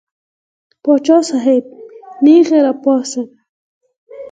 پاچا صاحب نېغ را پاڅېد.